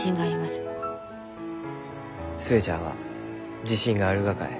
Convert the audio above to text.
寿恵ちゃんは自信があるがかえ？